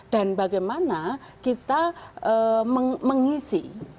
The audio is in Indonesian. dan bagaimana kita mengisi